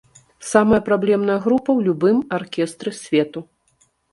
Самая праблемная група ў любым аркестры свету.